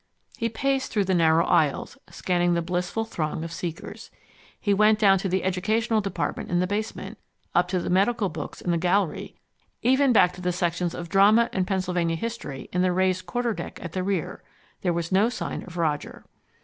He paced through the narrow aisles, scanning the blissful throng of seekers. He went down to the educational department in the basement, up to the medical books in the gallery, even back to the sections of Drama and Pennsylvania History in the raised quarterdeck at the rear. There was no trace of Roger.